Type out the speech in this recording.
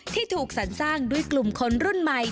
ที่ถูกสรรสร้างด้วยกลุ่มคนรุ่นใหม่